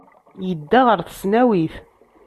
Yedda ɣer tesnawit.